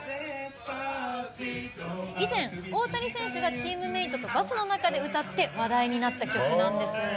以前、大谷選手がチームメートとバスの中で歌って話題になった曲なんです。